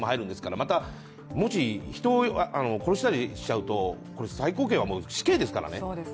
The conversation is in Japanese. またもし人を殺したりしちゃうと最高刑は死刑ですからね。